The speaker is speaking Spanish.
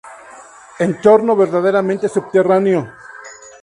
Entorno "verdaderamente" subterráneo.